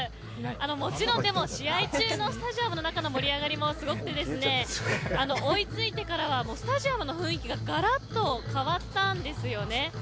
もちろん、でも試合中のスタジアムの中の盛り上がりもすごくて追い付いてからはスタジアムの雰囲気ががらっと変わったんですよね。